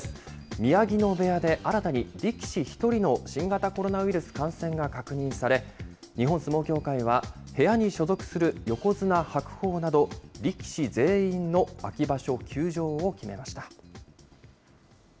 宮城野部屋で新たに力士１人の新型コロナウイルス感染が確認され、日本相撲協会は部屋に所属する横綱・白鵬など、力士全員の秋場所休場を決めました。